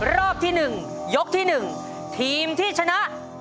รอบที่๑ยกที่๑ทีมที่ชนะ